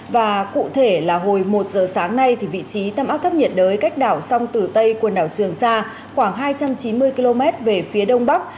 và cụ thể là hồi một giờ sáng nay vị trí tâm áp thấp nhiệt đới cách đảo sông tử tây quần đảo trường sa khoảng hai trăm chín mươi km về phía đông bắc